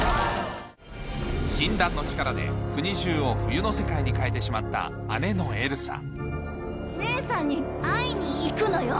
禁断の力で国中を冬の世界に変えてしまった姉さんに会いに行くのよ。